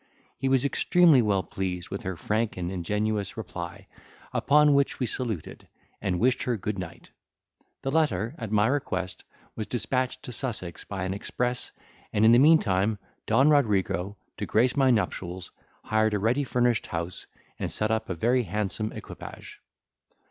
He was extremely well pleased with her frank and ingenuous reply, upon which we saluted, and wished her good night. The letter, at my request, was dispatched to Sussex by an express, and in the meantime, Don Rodrigo, to grace my nuptials, hired a ready furnished house, and set up a very handsome equipage.